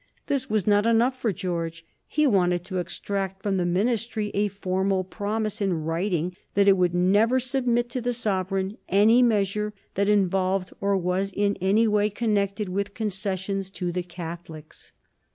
This was not enough for George. He wanted to extract from the Ministry a formal promise in writing that it would never submit to the sovereign any measure that involved, or was in any way connected with, concessions to the Catholics.